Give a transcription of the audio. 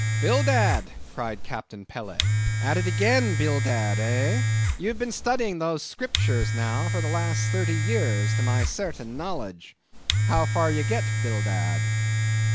"Bildad," cried Captain Peleg, "at it again, Bildad, eh? Ye have been studying those Scriptures, now, for the last thirty years, to my certain knowledge. How far ye got, Bildad?"